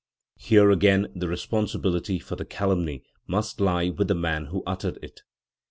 "* Here again the responsibility for the calumny must lie with the man who uttered it.